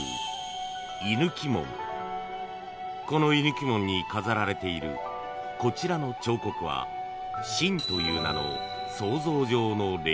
［この鋳抜門に飾られているこちらの彫刻は蜃という名の想像上の霊獣］